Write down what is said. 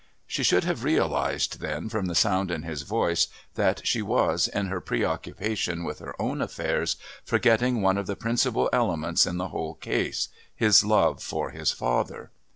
She should have realised then, from the sound in his voice, that she was, in her preoccupation with her own affairs, forgetting one of the principal elements in the whole case, his love for his father.